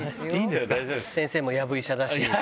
先生もやぶ医者だし。